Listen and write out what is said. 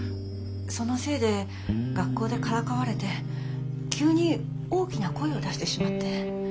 そのせいで学校でからかわれて急に大きな声を出してしまって。